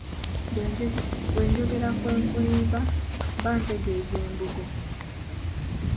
Bwe njogera ku enkulimba mba ntegeeza Embugo.